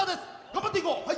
頑張っていこう！